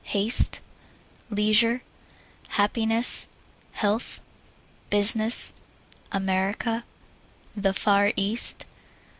Haste. Leisure. Happiness. Health. Business. America. The Far East.